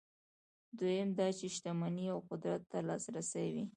دویم دا چې شتمنۍ او قدرت ته لاسرسی وي.